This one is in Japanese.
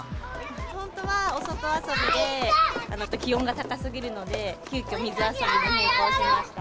本当はお外遊びで気温が高すぎるので、急きょ、水遊びに変更しました。